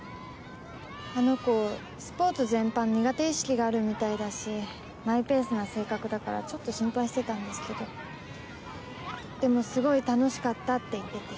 あの子、スポーツ全般苦手意識があるみたいだしマイペースな性格だからちょっと心配してたんですけどでもすごい楽しかったって言ってて。